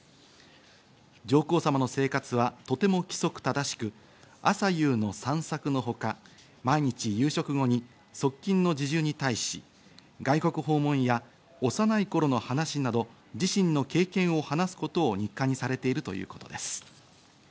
上皇さまの生活はとても規則正しく、朝夕の散策のほか、毎日、夕食後に側近の侍従に対し、外国訪問や幼い頃の話など自身の経験を話すことを日課にされているということです。